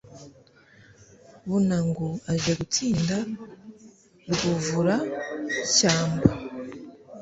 Bunangu aje gutsinda Rwuvura-shyamba.